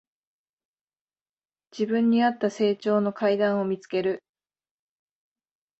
自分にあった成長の階段を見つける